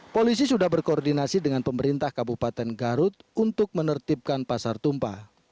polisi sudah berkoordinasi dengan pemerintah kabupaten garut untuk menertibkan pasar tumpah